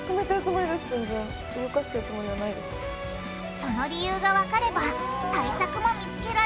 その理由がわかれば対策も見つけられるはず！